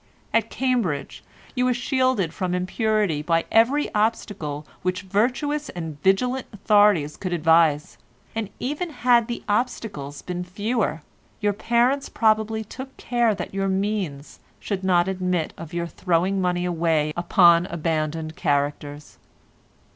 At Cambridge you were shielded from impurity by every obstacle which virtuous and vigilant authorities could devise, and even had the obstacles been fewer, your parents probably took care that your means should not admit of your throwing money away upon abandoned characters.